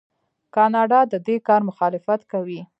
کاناډا د دې کار مخالفت کوي.